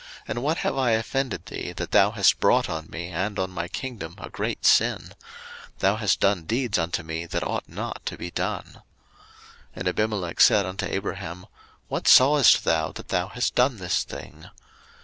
and what have I offended thee, that thou hast brought on me and on my kingdom a great sin? thou hast done deeds unto me that ought not to be done. 01:020:010 And Abimelech said unto Abraham, What sawest thou, that thou hast done this thing?